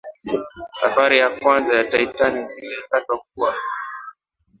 safari ya kwanza ya titanic ilitakiwa kuwa hafla kuu ya dunia